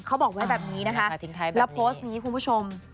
เขาบอกไว้แบบนี้นะคะแล้วโพสต์นี้คุณผู้ชม